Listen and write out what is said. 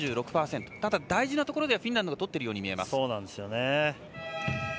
大事なところでフィンランドがとっているように見えます。